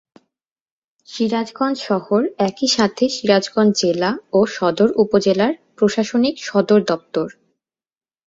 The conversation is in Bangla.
সিরাজগঞ্জ শহর একই সাথে সিরাজগঞ্জ জেলা ও সদর উপজেলার প্রশাসনিক সদরদপ্তর।